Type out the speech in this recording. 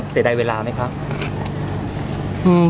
เสียดายเวลาไหมครับ